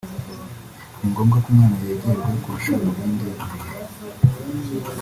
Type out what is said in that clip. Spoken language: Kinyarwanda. ni ngombwa ko umwana yegerwa kurusha mu bindi bihe